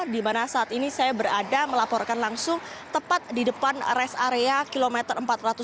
dimana saat ini saya berada melaporkan langsung tepat di depan rest area kilometer empat ratus delapan belas